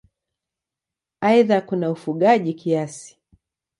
Aidha kuna ufugaji kiasi.